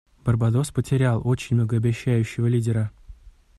Барбадос потерял очень многообещающего лидера.